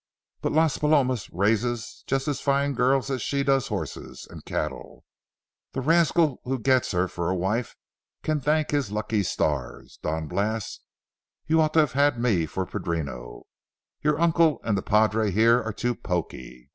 But Las Palomas raises just as fine girls as she does horses and cattle. The rascal who gets her for a wife can thank his lucky stars. Don Blas, you ought to have me for padrino. Your uncle and the padre here are too poky.